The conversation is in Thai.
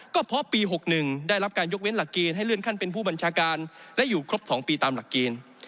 ก็เพราะปี๖๑ได้รับการยกเว้นหลักเกณฑ์ให้เลื่อนขั้นเป็นผู้บัญชาการและอยู่ครบ๒ปีตามหลักเกณฑ์